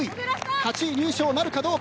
８位入賞なるかどうか。